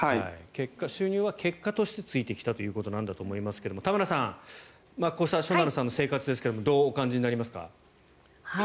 収入は結果としてついてきたということだと思いますが田村さん、こうしたしょなるさんの生活ですがどうお感じになりますか？